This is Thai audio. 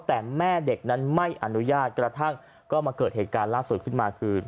แต่แม่เด็กนั้นไม่อนุญาตกระทั่งก็มาเกิดเหตุการณ์ล่าสุดขึ้นมาคือ